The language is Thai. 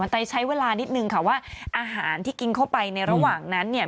ใจใช้เวลานิดนึงค่ะว่าอาหารที่กินเข้าไปในระหว่างนั้นเนี่ย